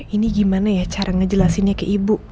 ini gimana ya cara ngejelasinnya ke ibu